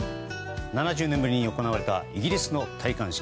７０年ぶりに行われたイギリスの戴冠式。